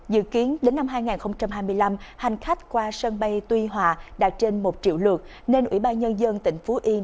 dự kiến đến năm hai nghìn hai mươi năm hành khách qua sân bay tuy hòa đạt trên một triệu lượt nên ủy ban nhân dân tỉnh phú yên